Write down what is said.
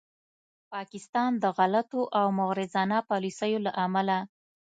پاکستان د غلطو او مغرضانه پالیسیو له امله